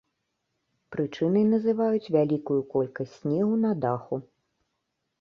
Прычынай называюць вялікую колькасць снегу на даху.